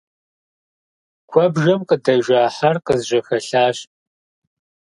Куэбжэхэм къыдэжа хьэр къызжьэхэлъащ.